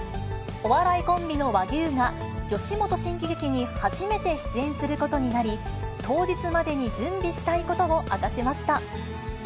お笑いコンビの和牛が、吉本新喜劇に初めて出演することになり、当日までに準備したいことを明かしました。